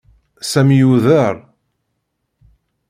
Sami yuder.